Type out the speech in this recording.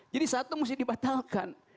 jadi satu mesti dibatalkan